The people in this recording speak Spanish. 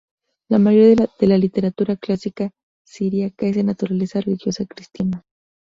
La mayoría de la literatura clásica siríaca es de naturaleza religiosa cristiana.